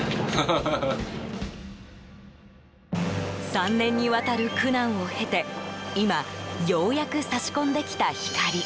３年にわたる苦難を経て今、ようやく差し込んできた光。